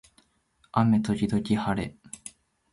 雨時々はれ